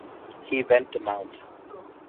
He went to Mt.